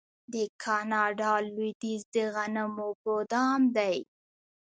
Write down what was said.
د کاناډا لویدیځ د غنمو ګدام دی.